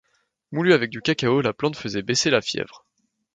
Moulue avec du cacao, la plante faisait baisser la fièvre.